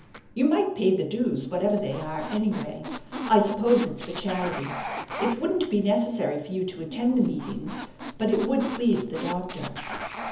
You might pay the dues, whatever they are, anyway. I suppose it's for charity. It wouldn't be necessary for you to attend the meetings, but it would please the Doctor."